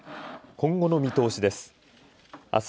今後の見通しです。